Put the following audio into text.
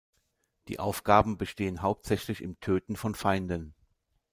Die Aufgaben bestehen hauptsächlich im Töten von Feinden.